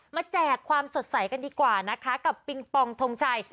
แจกความสดใสกันดีกว่านะคะกับปิงปองทงชัย